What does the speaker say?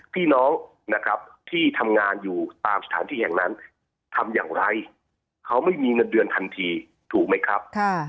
พี่น้องนะครับที่ทำงานอยู่ตามสถานที่แห่งนั้นทำอย่างไรเขาไม่มีเงินเดือนทันทีถูกไหมครับ